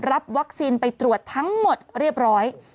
รับวัคซีนไปตรวจทั้งหมดเรียบร้อย